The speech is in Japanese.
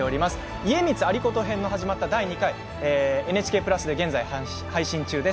家光、有功編が始まった第２回ＮＨＫプラスで現在配信中です。